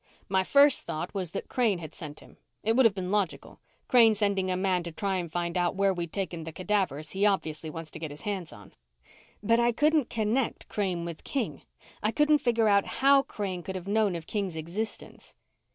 My first thought was that Crane had sent him. It would have been logical Crane sending a man to try and find out where we'd taken the cadavers he obviously wants to get his hands on. "But I couldn't connect Crane with King. I couldn't figure how Crane could have known of King's existence."